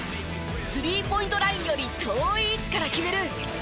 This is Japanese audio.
スリーポイントラインより遠い位置から決める